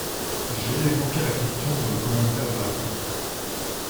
J’ai évoqué la question dans le commentaire de l’article.